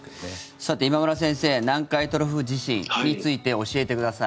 さて、今村先生南海トラフ地震について教えてください。